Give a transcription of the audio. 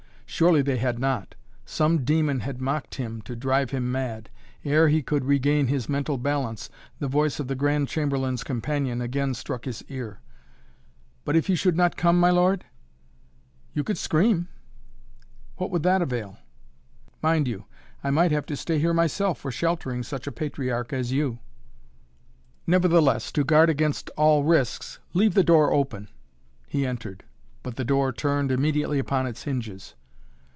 Surely they had not. Some demon had mocked him, to drive him mad. Ere he could regain his mental balance, the voice of the Grand Chamberlain's companion again struck his ear. "But if you should not come, my lord?" "You could scream!" "What would that avail?" "Mind you I might have to stay here myself for sheltering such a patriarch as you." "Nevertheless to guard against all risks leave the door open " He entered, but the door turned immediately upon its hinges.